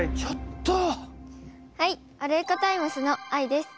はいワルイコタイムスのあいです。